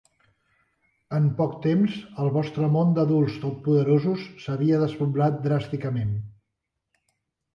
En poc temps, el vostre món d'adults totpoderosos s'havia despoblat dràsticament.